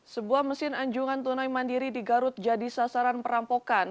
sebuah mesin anjungan tunai mandiri di garut jadi sasaran perampokan